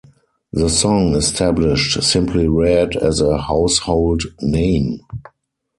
The song established Simply Red as a household name.